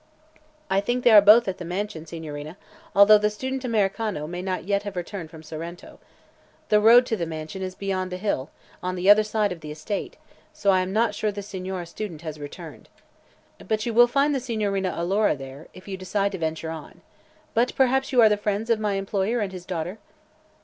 "I think they are both at the mansion, Signorina, although the student Americano may not yet have returned from Sorrento. The road to the mansion is beyond the hill, on the other side of the estate, so I am not sure the Signore Student has returned. But you will find the Signorina Alora there, if you decide to venture on. But perhaps you are the friends of my employer and his daughter?"